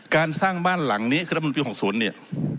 การสร้างบ้านหลังนี้รัฐมนุนปี๖๐